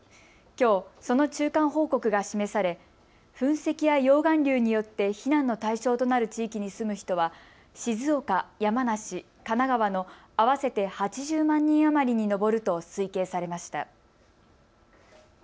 きょう、その中間報告が示され噴石や溶岩流によって避難の対象となる地域に住む人は静岡、山梨、神奈川の合わせて８０万人余りに上ると推計されました。